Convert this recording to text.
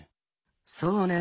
そうね。